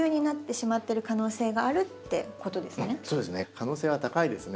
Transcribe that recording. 可能性は高いですね。